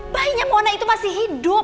bayi nya mona itu masih hidup